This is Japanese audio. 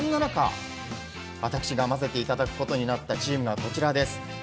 そんな中、私がまぜていただくことになったチームがこちらです。